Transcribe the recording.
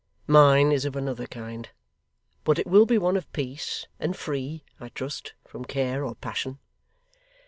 Mine is of another kind, but it will be one of peace, and free, I trust, from care or passion.